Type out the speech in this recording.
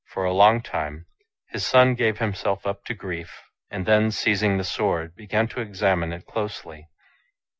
For a long time his son gave himself up to grief, and then seizing the sword began to examine it closely.